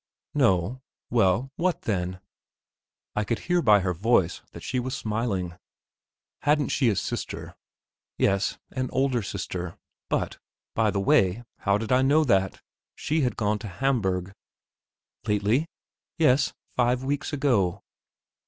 "No? well, what then?" I could hear by her voice that she was smiling. Hadn't she a sister? Yes; an older sister. But, by the way, how did I know that? She had gone to Hamburg. "Lately?" "Yes; five weeks ago."